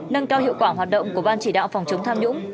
nâng cao hiệu quả hoạt động của ban chỉ đạo phòng chống tham nhũng